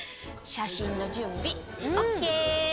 写真の準備オッケー。